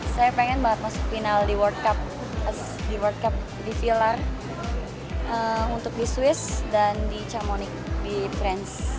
saya pengen banget masuk final di world cup di world cup di villar untuk di swiss dan di cermonik di france